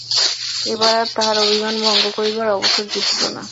এবার আর তাহার অভিমান ভঙ্গ করিবার অবসর জুটিল না।